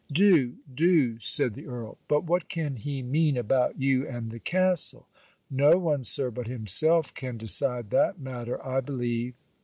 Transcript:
'Do do!' said the Earl. 'But what can he mean about you and the castle?' 'No one, Sir, but himself can decide that matter, I believe.'